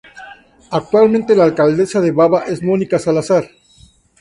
Actualmente la Alcaldesa de Baba es Mónica Salazar.